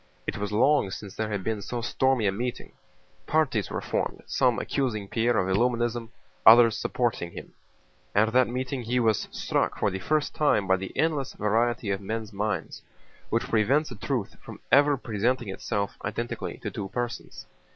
It was long since there had been so stormy a meeting. Parties were formed, some accusing Pierre of Illuminism, others supporting him. At that meeting he was struck for the first time by the endless variety of men's minds, which prevents a truth from ever presenting itself identically to two persons.